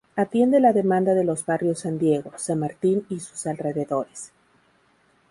Atiende la demanda de los barrios San Diego, San Martín y sus alrededores.